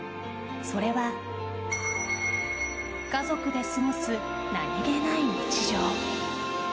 それは家族で過ごす何気ない日常。